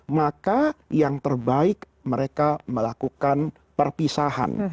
maka yang terbaik mereka melakukan perpisahan